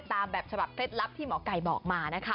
ตามแบบสภาพเคล็ดลับแลกมา